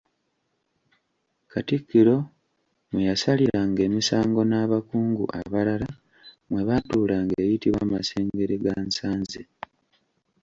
Katikkiro mwe yasaliranga emisango n’abakungu abalala mwe baatuulanga eyitibwa Masengeregansaze.